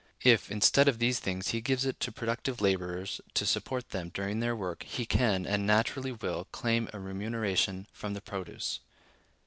If, instead of these things, he gives it to productive laborers to support them during their work, he can, and naturally will, claim a remuneration from the produce.